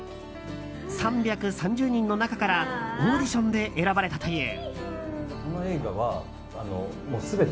３３０人の中からオーディションで選ばれたという。